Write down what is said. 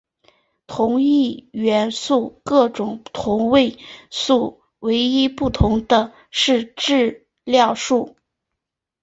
同一元素各种同位素唯一不同的是质量数。